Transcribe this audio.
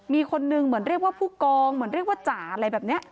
มีคนนึงเหมือนเรียกว่าผู้กองเหมือนเรียกว่าจ๋าอะไรแบบนี้